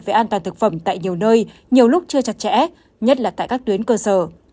về an toàn thực phẩm tại nhiều nơi nhiều lúc chưa chặt chẽ nhất là tại các tuyến cơ sở